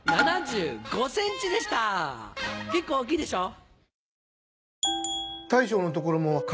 結構大きいでしょう。